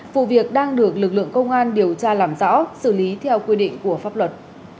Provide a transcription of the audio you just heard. vụ việc đang được lực lượng công an điều tra làm rõ xử lý theo quy định của pháp luật